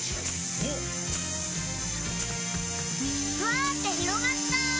ふわって広がった！